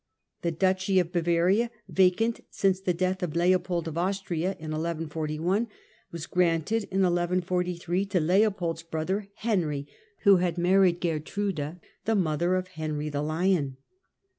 The duchy of Bavaria, vacant since the death of Leopold of Austria in 1141, was granted in 1143 to Leopold's brother Henry, who had married Gertrude, the mother of Henry the Lion.